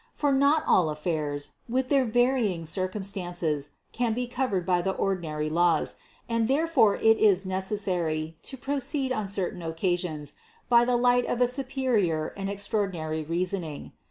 For not all affairs, with their varying circumstances, can be covered by the ordinary laws, and therefore it is necessary to proceed on certain occasions by the light of a superior and extraordinary reasoning.